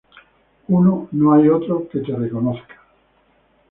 Uno, no hay otro que Te reconozca.